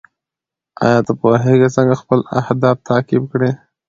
ایا ته پوهېږې څنګه خپل اهداف تعقیب کړې؟